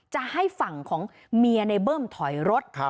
จะให้ฝั่งของเมียในเบิ้มถอยรถ